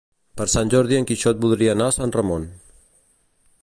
Per Sant Jordi en Quixot voldria anar a Sant Ramon.